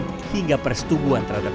pencabulan hingga persetubuhan terhadap